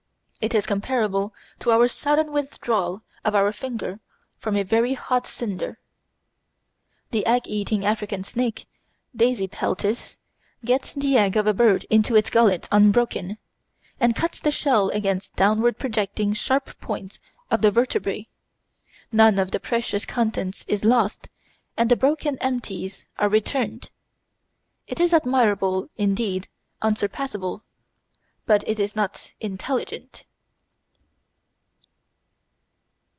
It is comparable to our sudden withdrawal of our finger from a very hot cinder. The Egg eating African snake Dasypeltis gets the egg of a bird into its gullet unbroken, and cuts the shell against downward projecting sharp points of the vertebræ. None of the precious contents is lost and the broken "empties" are returned. It is admirable, indeed unsurpassable; but it is not intelligent.